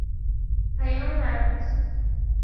پیام مرموز